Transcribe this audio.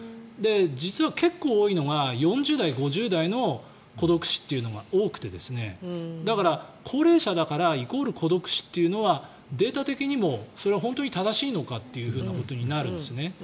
実は結構多いのが４０代、５０代の孤独死が多くてだから、高齢者だからイコール孤独死というのはデータ的にもそれは本当に正しいのかということになるんですね。